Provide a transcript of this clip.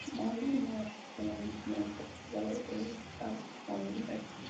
Molly Norris creó una viñeta titulada "Everybody Draw Mohammed Day!